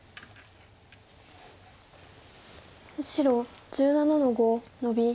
白１７の五ノビ。